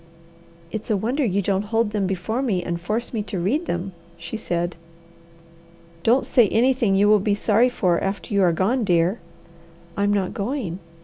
"It's a wonder you don't hold them before me and force me to read them," she said. "Don't say anything you will be sorry for after you are gone, dear." "I'm not going!"